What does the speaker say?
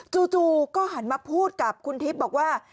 จู่ก็หันมาพูดกับคุณทิพย์บอกว่า